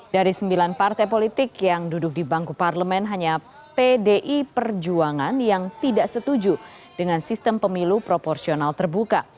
dari sembilan partai politik yang duduk di bangku parlemen hanya pdi perjuangan yang tidak setuju dengan sistem pemilu proporsional terbuka